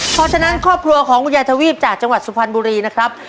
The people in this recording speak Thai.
เพราะฉะนั้นครอบครัวของคุณยายทวีปจากจังหวัดสุพรรณบุรีนะครับ